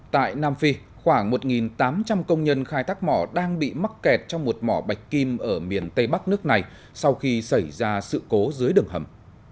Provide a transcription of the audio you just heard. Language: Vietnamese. tại nam phi khoảng một tám trăm linh công nhân khai thác mỏ đang bị mắc kẹt trong một mỏ bạch kim ở miền tây bắc nước này sau khi xảy ra sự cố dưới đường hầm